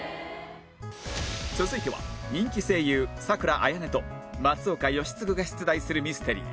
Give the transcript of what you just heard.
続いては人気声優佐倉綾音と松岡禎丞が出題するミステリー